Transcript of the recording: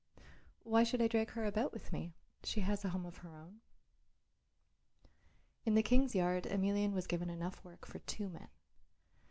"Why should I drag her about with me? She has a home of her own." In the King's yard Emelian was given enough work for two men.